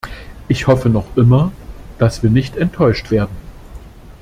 Ich hoffe noch immer, dass wir nicht enttäuscht werden.